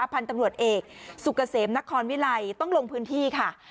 พันธุ์ตำรวจเอกสุกเกษมนครวิลัยต้องลงพื้นที่ค่ะ